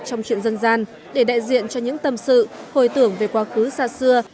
trong chuyện dân gian để đại diện cho những tâm sự hồi tưởng về quá khứ xa xưa